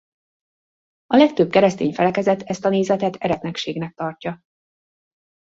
A legtöbb keresztény felekezet ezt a nézetet eretnekségnek tartja.